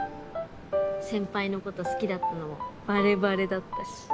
先輩のこと好きだったのもバレバレだったし。